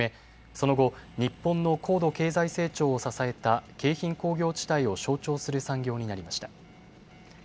その後、日本の高度経済成長を支えた京浜工業地帯を象徴する産業になりました。